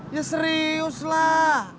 ya serius lah